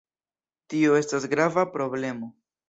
Tio estas grava problemo.